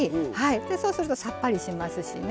そうするとさっぱりしますしね。